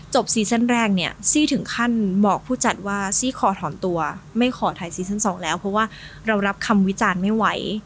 ซีซั่นแรกเนี่ยซี่ถึงขั้นบอกผู้จัดว่าซี่ขอถอนตัวไม่ขอถ่ายซีซั่นสองแล้วเพราะว่าเรารับคำวิจารณ์ไม่ไหว